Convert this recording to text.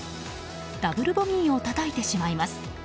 ダブルボギーをたたいてしまいます。